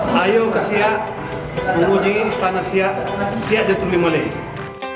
hai ayo ke siap uji istana siap siap jatuh di malaya